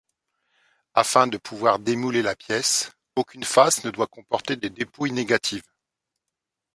Afin de pouvoir démouler la pièce, aucune face ne doit comporter de dépouille négative.